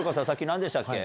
何でしたっけ？